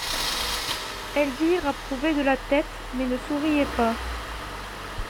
Elvire approuvait de la tête, mais ne souriait pas.